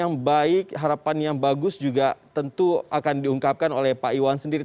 dan tentunya harapan yang baik harapan yang bagus juga tentu akan diungkapkan oleh pak iwan sendiri